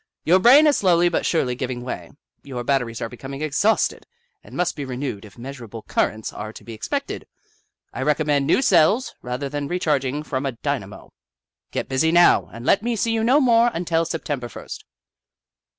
Your brain is slowly but surely giving way. Your batteries are becoming exhausted and must be renewed if measurable currents are to be expected. I recommend new cells, rather than recharging from a dynamo. Get busy now, Little Upsidaisi 3 and let me see you no more until September first."